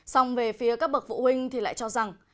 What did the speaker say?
xong về phía các bậc phụ huynh thì lại cho rằng